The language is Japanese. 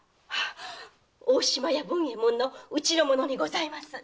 大島屋文右衛門のうちの者にございます。